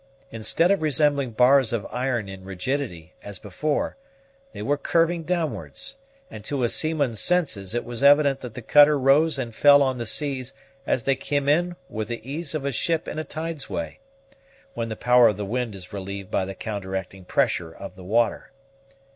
Instead of resembling bars of iron in rigidity, as before, they were curving downwards, and to a seaman's senses it was evident that the cutter rose and fell on the seas as they came in with the ease of a ship in a tides way, when the power of the wind is relieved by the counteracting pressure of the water.